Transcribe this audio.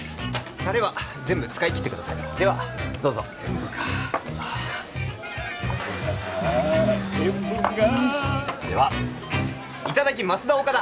タレは全部使い切ってくださいではどうぞ全部かいやあ塩分がではいただきますだおかだ！